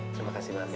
terima kasih banget ya